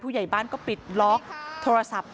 พูดใหญ่บ้านเคยขู่ถึงขั้นจะฆ่าให้ตายด้วยค่ะ